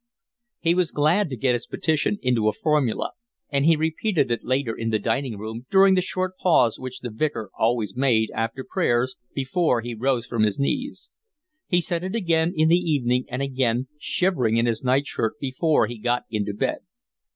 He was glad to get his petition into a formula, and he repeated it later in the dining room during the short pause which the Vicar always made after prayers, before he rose from his knees. He said it again in the evening and again, shivering in his nightshirt, before he got into bed.